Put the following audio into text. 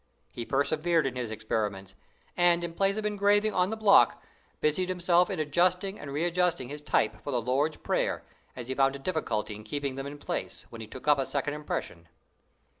He persevered in his experiments, and, in place of engraving on the block, busied himself in adjusting and readjusting his type for the "Lord's Prayer," as he found a difficulty in keeping them in place, when he took a second impression.